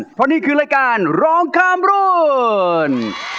เพราะนี่คือรายการร้องข้ามรุ่น